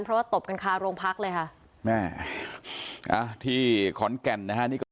เพราะว่าตบกันคาโรงพักเลยค่ะแม่อ่าที่ขอนแก่นนะฮะนี่ก็